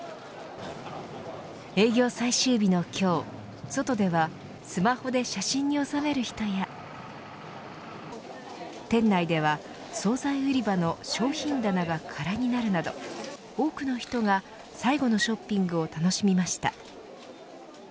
営業最終日の今日外ではスマホで写真に収める人や店内では総菜売り場の商品棚が空になるなど多くの人が最後のショッピングを楽しみました。